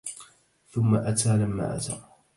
ثم أتى, لما أتى